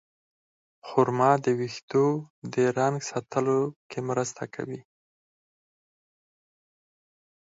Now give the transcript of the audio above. خرما د ویښتو د رنګ ساتلو کې مرسته کوي.